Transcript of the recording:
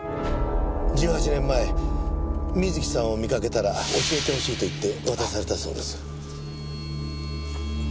１８年前瑞希さんを見かけたら教えてほしいと言って渡されたそうです。